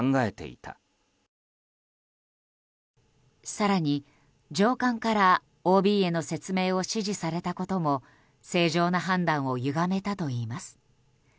更に、上官からＯＢへの説明を指示されたことも正常な判断をゆがめたといいます。